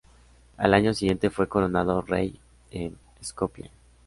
Al año siguiente fue coronado rey en Skopie.